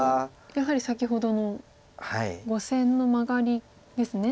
やはり先ほどの５線のマガリですね。